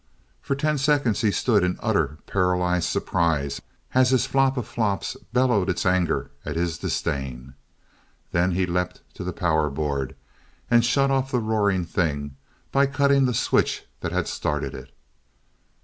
For ten seconds he stood in utter, paralyzed surprise as his flop of flops bellowed its anger at his disdain. Then he leapt to the power board and shut off the roaring thing, by cutting the switch that had started it.